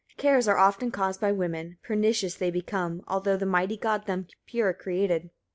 Cares are often caused by women; pernicious they become, although the mighty God them pure created.